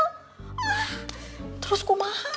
wah terus kumaha tuh